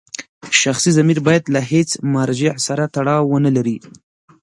شخصي ضمیر باید له هېڅ مرجع سره تړاو ونلري.